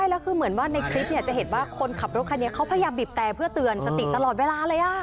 แล้วคือเหมือนว่าในคลิปจะเห็นว่าคนขับรถคันนี้เขาพยายามบีบแต่เพื่อเตือนสติตลอดเวลาเลย